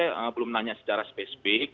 tidak ada yang belum nanya secara spesifik